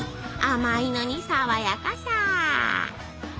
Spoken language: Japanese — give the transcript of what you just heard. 甘いのに爽やかさ。